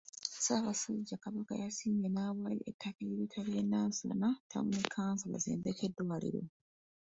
Ssaabasajja Kabaka yasiimye n'awaayo ettaka eri Rotary y'e Nansana Ttawuni kkanso bazimbeko eddwaliro.